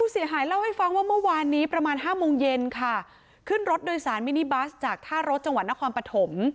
เสียหายเล่าให้ฟังว่าเมื่อวานนี้ประมาณห้าโมงเย็นค่ะขึ้นรถโดยสารมินิบัสจากท่ารถจังหวัดนครปฐม